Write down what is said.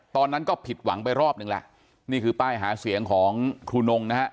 ตอนนั้นก็ผิดหวังไปรอบหนึ่งแหละนี่คือป้ายหาเสียงของครูนงนะฮะ